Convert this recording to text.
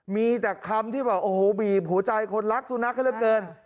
มีแต่คำที่บอกโอโหบีบหัวใจคนลักสุนัขทั่วเรื่องเกิน